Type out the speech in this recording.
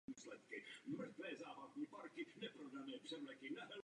Loki však prsten sebral a šel pryč.